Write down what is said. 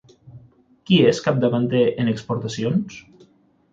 Qui és capdavanter en exportacions?